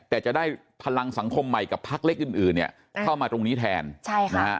แต่จะได้พลังสังคมใหม่กับพักเล็กอื่นอื่นเนี่ยเข้ามาตรงนี้แทนใช่ค่ะนะฮะ